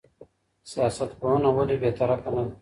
سياست پوهنه ولې بېطرفه نه ده؟